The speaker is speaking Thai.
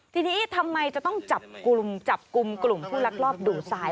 ทีนี้ทำไมจะต้องจับกลุ่มจับกลุ่มกลุ่มผู้ลักลอบดูทราย